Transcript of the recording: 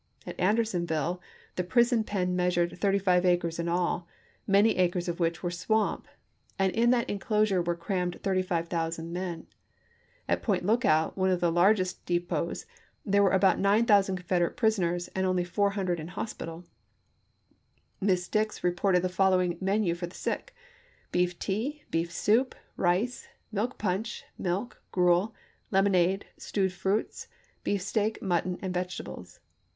At Andersonville the prison pen meas ured thirty five acres in all, many acres of which were swamp ; and in that inclosure were crammed 35,000 men. At Point Lookout, one of the largest de « Report of pots, there were about 9000 Confederate prisoners, Sacom ry and only 400 in hospital. Miss Dix reported the fol p. 22/ lowing menu for the sick: Beef tea, beef soup, rice, milk punch, milk, gruel, lemonade, stewed fruits, beefsteak, mutton, and vegetables.